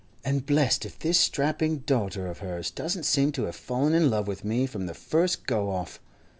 —and blest if this strapping daughter of hers doesn't seem to have fallen in love with me from the first go off!